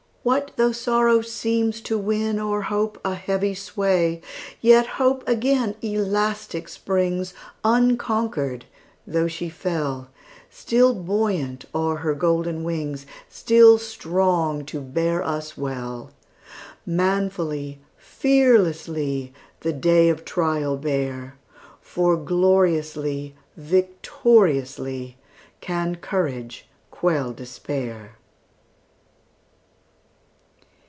What though sorrow seems to win, O'er hope, a heavy sway? Yet Hope again elastic springs, Unconquered, though she fell; Still buoyant are her golden wings, Still strong to bear us well. Manfully, fearlessly, The day of trial bear, For gloriously, victoriously, Can courage quell despair!